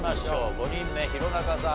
５人目弘中さん